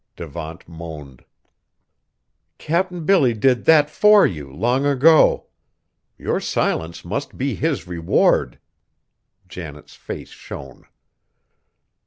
Devant moaned. "Cap'n Billy did that for you, long ago. Your silence must be his reward!" Janet's face shone.